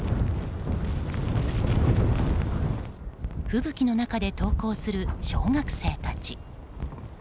吹雪の中で登校する小学生たち。